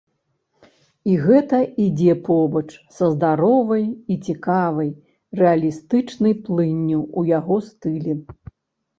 І гэта ідзе побач з здароваю і цікаваю, рэалістычнай плынню ў яго стылі.